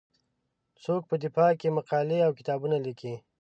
څوک په دفاع کې مقالې او کتابونه لیکي.